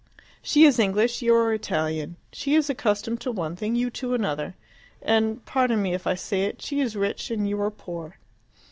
She is English, you are Italian; she is accustomed to one thing, you to another. And pardon me if I say it she is rich and you are poor."